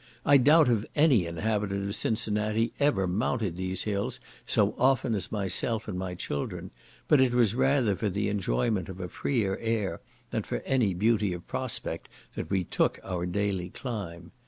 I doubt if any inhabitant of Cincinnati ever mounted these hills so often as myself and my children; but it was rather for the enjoyment of a freer air than for any beauty of prospect, that we took our daily climb.